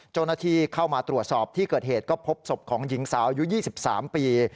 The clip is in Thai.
เจ้าหน้าที่เข้ามาตรวจสอบที่เกิดเหตุก็พบศพของหญิงสาวอายุ๒๓ปี